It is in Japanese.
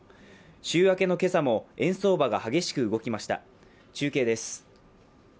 週明けの今朝も円相場が激しく動きました。